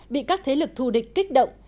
bị các thế lực thù địch kích động